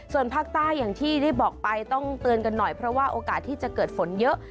ส่วนภาคใต้อย่างที่ได้บอกไปต้องเตือนกันหน่อยเพราะว่าโอกาสที่จะเกิดฝนเยอะ